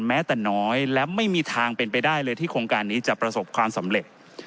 แม้แต่น้อยและไม่มีทางเป็นไปได้เลยที่โครงการนี้จะประสบความสำเร็จ